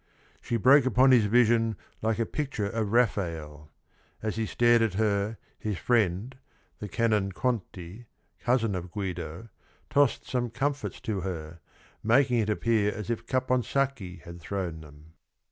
She broke upon his vision like a pic ture of Rafael. As he stared at her, his friend, the Canon Conti, cousin of Guido, tossed some comfits to her, making it appear as if Capon sacchi had thrown them.